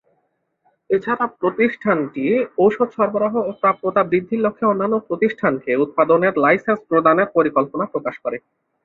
এছাড়া প্রতিষ্ঠানটি ঔষধ সরবরাহ ও প্রাপ্যতা বৃদ্ধির লক্ষ্যে অন্যান্য প্রতিষ্ঠানকে উৎপাদনের লাইসেন্স প্রদানের পরিকল্পনা প্রকাশ করে।